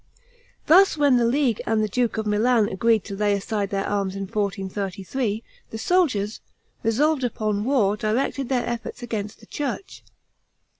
Thus when the league and the duke of Milan agreed to lay aside their arms in 1433, the soldiers, resolved upon war, directed their efforts against the church.